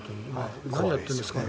何をやってるんですかね。